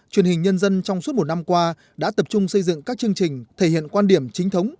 truyền hình nhân dân trong suốt một năm qua đã tập trung xây dựng các chương trình thể hiện quan điểm chính thống